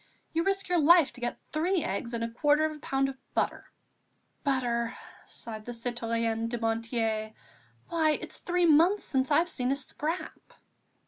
You risk your life to get three eggs and a quarter of a pound of butter." "Butter!" sighed the citoyenne Dumonteil, "why, it's three months since I've seen a scrap!"